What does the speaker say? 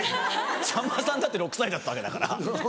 さんまさんだって６歳だったわけだから。